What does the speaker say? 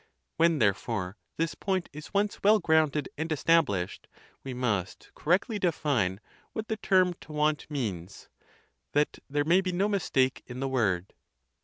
When, therefore, this point is once well grounded and established, we must correctly define what the term to want means; that there may be no mistake in the word.